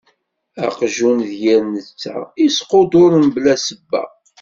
Aqjun d yir netta, isquduṛ mebla ssebba.